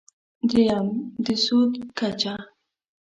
درېیم: د سود کچه.